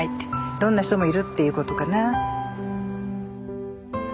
どんな人もいるっていうことかな。